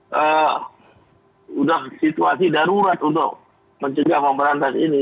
sudah situasi darurat untuk mencegah memberantas ini